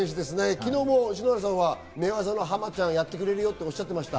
昨日も篠原さんは寝技のハマちゃん、やってくれるよとおっしゃってました。